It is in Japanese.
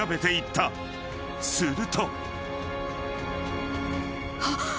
［すると］